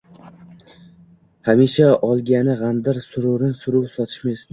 Hamisha olgani gʻamdir, sururin suruv sotmishdir